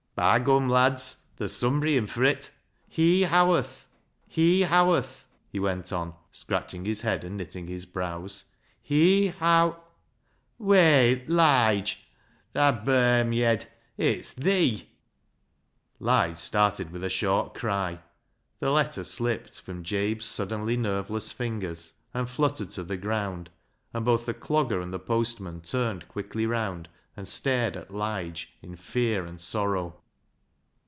" By gum, lads, there's sumbry in for it ! Hee Howarth. Hee Howarth," he went on, scratch ing his head and knitting his brows, '■ Hee How — Whey, Lige, thaa bermyed, it's tJiec^ Lige started v\ ith a short cry. The letter slipped from Jabe's suddenly nerveless fingers and fluttered to the ground, and both the Clogger and the postman turned quickly round and stared at Lige in fear and sorrow.